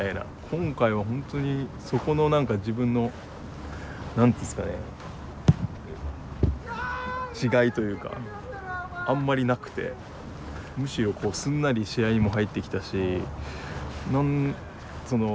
今回は本当にそこの何か自分の何て言うんですかね違いというかあんまりなくてむしろそこは過去と比べて全然いいですね。